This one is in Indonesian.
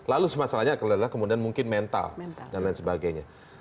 lalu masalahnya adalah kemudian mungkin mental dan lain sebagainya